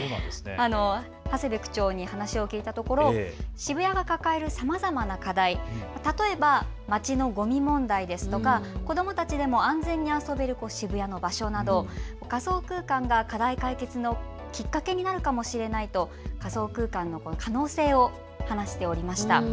長谷部区長に話を聞いたところ渋谷が抱えるさまざまな課題、例えば街のごみ問題ですとか子どもたちでも安全に遊べる渋谷の場所など、仮想空間が課題解決のきっかけになるかもしれないと仮想空間の可能性を話しておりました。